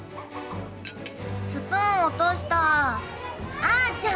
スプーン落とした。